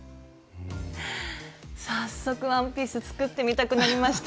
早速ワンピース作ってみたくなりました。